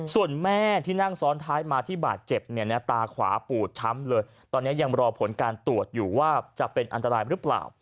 ส่วนแม่ที่นั่งซ้อนท้ายมาที่บาดเจ็บเนี่ยนะตาขวาปูดช้ำเลยตอนนี้ยังรอผลการตรวจอยู่ว่าจะเป็นอันตรายหรือเปล่า